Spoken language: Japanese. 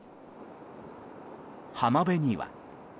浜辺には。